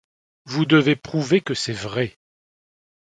Vous devez prouver que c'est vrai.